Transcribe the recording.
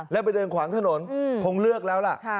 แล้วไปเดินขวางถนนคงเลือกแล้วล่ะ